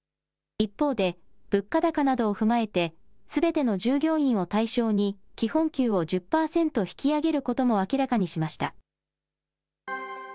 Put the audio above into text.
一方で、物価高などを踏まえて、すべての従業員を対象に、基本給を１０％引き上げることも明らかにしました。